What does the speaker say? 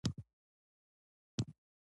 نهه پنځوسم سوال د وظیفې د تحلیل په اړه دی.